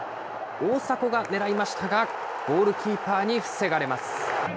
大迫が狙いましたが、ゴールキーパーに防がれます。